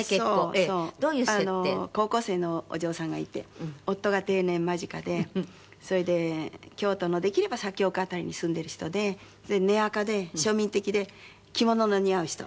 高校生のお嬢さんがいて夫が定年間近でそれで京都のできれば左京区辺りに住んでいる人で根明で庶民的で着物の似合う人。